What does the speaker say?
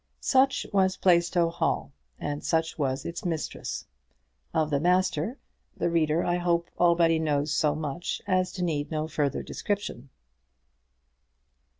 Such was Plaistow Hall, and such was its mistress. Of the master, the reader, I hope, already knows so much as to need no further description.